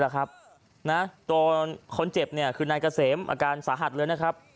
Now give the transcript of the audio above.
ครับนะตัวคนเจ็บเนี่ยคือไอนาสีเก๋อันสาหัสเลยนะครับ